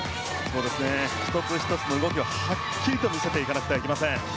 １つ１つの動きをはっきりと見せていかなければいけません。